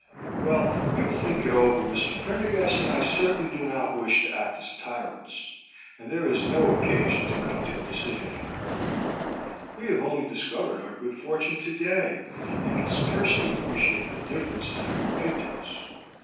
Well, we will think it over. Mr. Prendergast and I certainly do not wish to act as tyrants, and there is no occasion to come to a decision in a hurry. We have only discovered our good fortune today, and can scarcely appreciate the difference that it will make to us.